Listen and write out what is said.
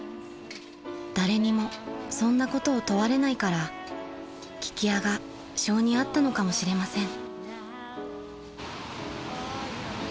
［誰にもそんなことを問われないから聞き屋が性に合ったのかもしれません］